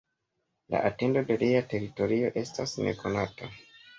La etendo de lia teritorio estas nekonata.